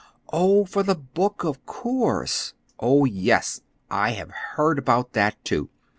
"Oh, for the book, of course. Oh, yes, I have heard about that, too."